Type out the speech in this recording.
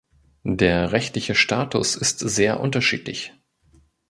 Der rechtliche Status ist sehr unterschiedlich.